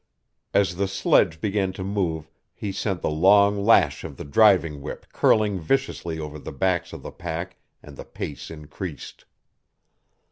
As the sledge began to move he sent the long lash of the driving whip curling viciously over the backs of the pack and the pace increased.